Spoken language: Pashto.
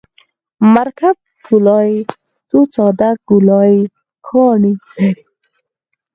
مرکب ګولایي څو ساده ګولایي ګانې لري